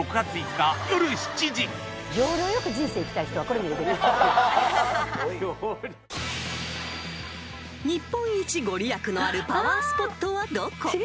［日本一御利益のあるパワースポットはどこ？］